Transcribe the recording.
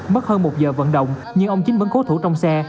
mất hơn một giờ vận động nhưng ông chính vẫn cố thủ trong xe